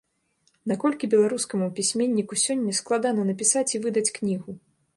Наколькі беларускаму пісьменніку сёння складана напісаць і выдаць кнігу?